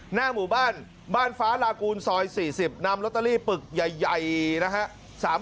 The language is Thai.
หน้าหมู่บ้านบ้านฟ้าลากูลซอย๔๐นำลอตเตอรี่ปึกใหญ่นะฮะ